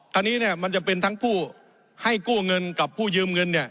คราวนี้เนี่ยมันจะเป็นทั้งผู้ให้กู้เงินก็ผู้ยืมเงินเนี่ย